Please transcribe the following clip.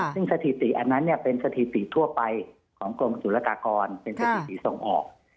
ซึ่งสถิติอันนั้นเป็นสถิติทั่วไปของกรมศุลกากรเป็นสถิติส่งออก